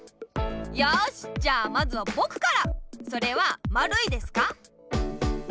よしじゃあまずはぼくから！